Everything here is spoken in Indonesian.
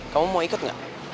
kamu mau ikut gak